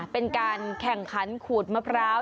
เป็นการแข่งขันขูดมะพร้าว